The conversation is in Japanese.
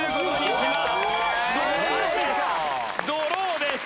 ドローです。